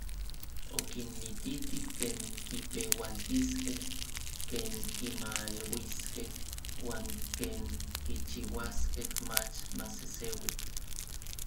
Okinmititi ken kipeualtiskej, ken kimaluiskej uan ken kichiuaskej mach maseseui.